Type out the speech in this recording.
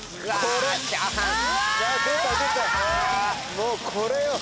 もうこれよ！